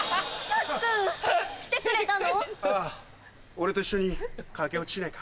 俺と一緒に駆け落ちしないか？